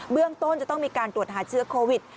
เรื่องต้นจะต้องมีการตรวจหาเชื้อโควิด